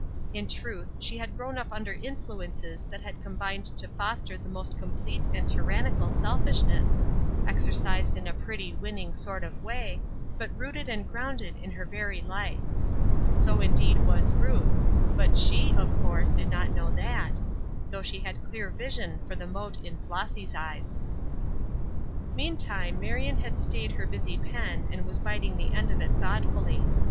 In truth she had grown up under influences that had combined to foster the most complete and tyrannical selfishness exercised in a pretty, winning sort of way, but rooted and grounded in her very life. So indeed was Ruth's; but she, of course, did not know that, though she had clear vision for the mote in Flossy's eyes. Meantime Marion had staid her busy pen and was biting the end of it thoughtfully.